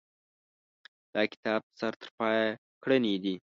دا کتاب سر ترپایه ګړنې دي.